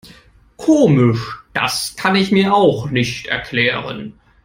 Komisch, das kann ich mir auch nicht erklären.